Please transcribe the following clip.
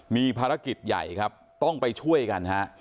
มีภารกิจใหญ่ครับต้องไปช่วยกันฮะ